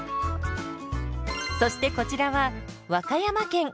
そしてこちらは和歌山県。